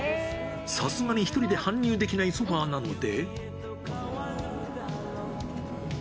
さすがに１人で搬入できないソファなので。